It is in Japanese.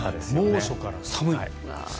猛暑から寒い。